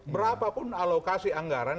berapapun alokasi anggaran